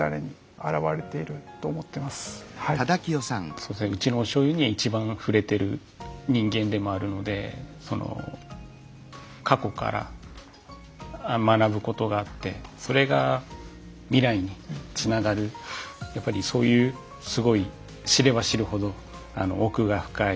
そうですねうちの醤油に一番触れてる人間でもあるので過去から学ぶことがあってそれが未来につながるやっぱりそういうすごい知れば知るほど奥が深い。